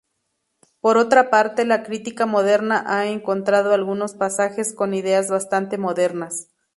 Por otra parte, la crítica moderna ha encontrado algunos pasajes con ideas bastantes modernas.